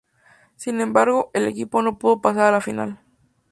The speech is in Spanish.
Sin embargo, el equipo no pudo pasar a la Final.